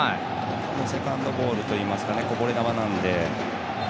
セカンドボールというかこぼれ球なので。